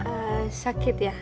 eh sakit ya